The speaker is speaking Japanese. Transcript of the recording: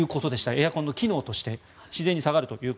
エアコンの機能として自然に下がると。